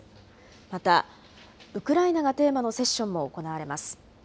また、ウクライナがテーマのセッションも行われます。